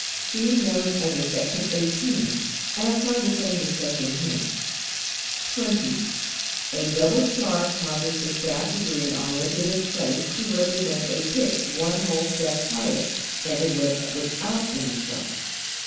(See note under Sec. 18 and apply the same discussion here.) 20. A double sharp causes the staff degree on which it is placed to represent a pitch one whole step higher than it would without any sharp.